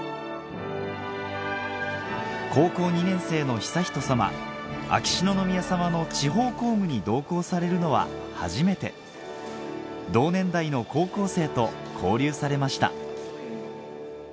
高校２年生の悠仁さま秋篠宮さまの地方公務に同行されるのは初めて同年代の高校生と交流されました